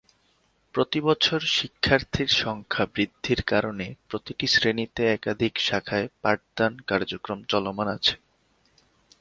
প্রতি বছর শিক্ষার্থীর সংখ্যা বৃদ্ধির কারণে প্রতিটি শ্রেণিতে একাধিক শাখায় পাঠদান কার্যক্রম চলমান আছে।